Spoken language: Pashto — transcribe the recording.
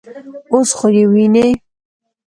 _اوس خو يې وينې.